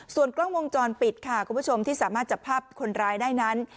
ส่วนกล้องวงจรปิดค่ะคุณผู้ชมที่สามารถจับภาพคนร้ายได้นั้น